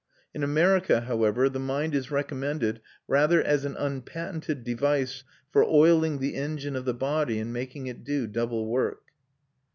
In America, however, the mind is recommended rather as an unpatented device for oiling the engine of the body and making it do double work.